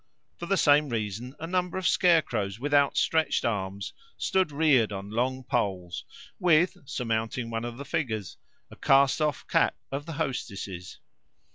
For the same reason a number of scarecrows with outstretched arms stood reared on long poles, with, surmounting one of the figures, a cast off cap of the hostess's.